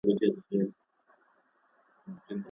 سياست يوازي د واک د ترلاسه کولو لوبه نه ده.